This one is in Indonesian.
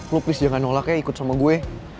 lo please jangan nolak ya ikut sama gue